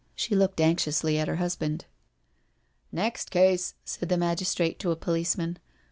She looked anxiously at her husband. " Next case," said the magistrate to a policeman.